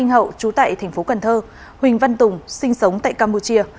hậu chú tại tp cần thơ huỳnh văn tùng sinh sống tại campuchia